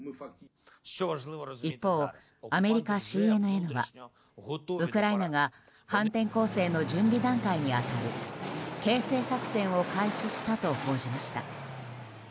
一方、アメリカＣＮＮはウクライナが反転攻勢の準備段階に当たる形成作戦を開始したと報じました。